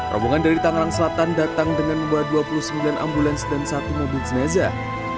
rombongan dari tangerang selatan datang dengan membawa dua puluh sembilan ambulans dan satu mobil jenazah